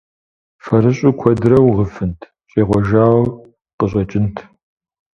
Фэрыщӏу куэдрэ угъыфынт – щӏегъуэжауэ къыщӏэкӏынт.